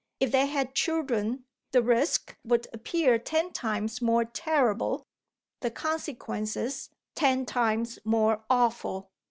If they had children the risk would appear ten times more terrible, the consequences ten times more awful.